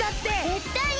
ぜったいに！